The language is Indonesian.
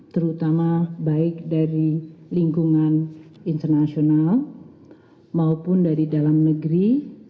terutama baik dari lingkungan internasional maupun dari dalam negeri